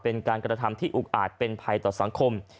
เป็นการกระทำที่อุกอาจเป็นภัยต่อสังคม